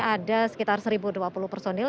ada sekitar satu dua puluh personil